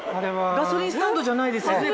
ガソリンスタンドじゃないですよね？